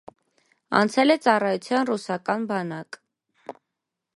Անցել է ծառայության ռուսական բանակ։